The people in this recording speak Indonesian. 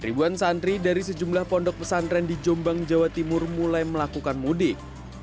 ribuan santri dari sejumlah pondok pesantren di jombang jawa timur mulai melakukan mudik